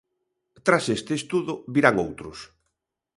Tras este estudo, virán outros.